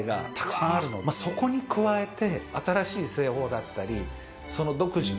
そこに加えて。